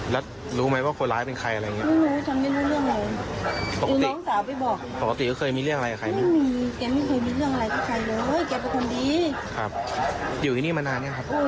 แล้วรู้ไหมว่าคนร้ายเป็นใครอะไรอย่างเนี่ย